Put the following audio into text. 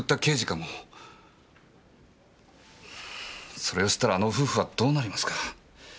それを知ったらあの夫婦はどうなりますか？